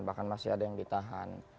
bahkan masih ada yang ditahan